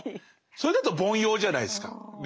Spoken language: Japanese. それだと凡庸じゃないですか。